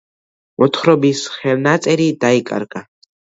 მოთხრობის ხელნაწერი დაიკარგა.